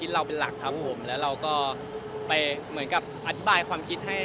แล้วเราก็ไปเหมือนกับอธิบายความคิดให้